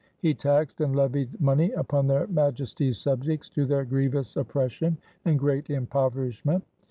He taxed and levied monney upon their Majesties subjects to their grievous oppression and great impoverishment.